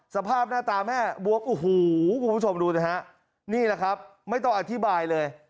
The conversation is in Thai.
สภาพหน้าตาแม่บวกโอ้โหคุณผู้ชมดูสิฮะนี่แหละครับไม่ต้องอธิบายเลย